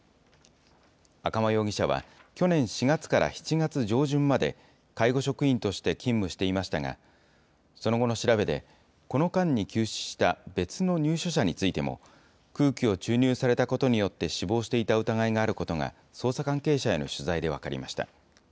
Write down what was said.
赤間容疑者は、去年４月から７月上旬まで、介護職員として勤務していましたが、その後の調べで、この間に急死した別の入所者についても、空気を注入されたことによって死亡していた疑いがあることが、捜査関係者への取材で分かりました。